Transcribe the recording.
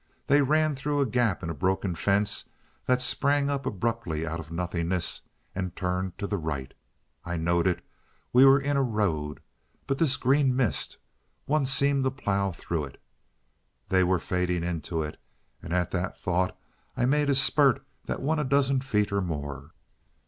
They ran through a gap in a broken fence that sprang up abruptly out of nothingness and turned to the right. I noted we were in a road. But this green mist! One seemed to plough through it. They were fading into it, and at that thought I made a spurt that won a dozen feet or more.